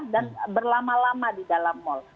dan berlama lama di dalam mall